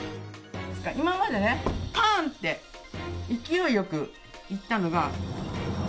今までね、ぱんって、勢いよくいったのが。